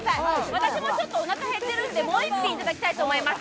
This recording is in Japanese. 私もちょっとおなか減ってるのでもう一品いきたいと思います。